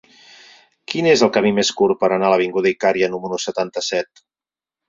Quin és el camí més curt per anar a l'avinguda d'Icària número setanta-set?